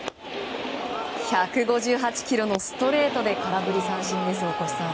１５８キロのストレートで空振り三振です、大越さん。